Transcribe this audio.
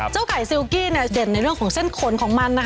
ไก่ซิลกี้เด่นในเรื่องของเส้นขนของมันนะคะ